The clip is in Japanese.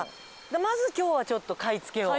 まず今日はちょっと買い付けを。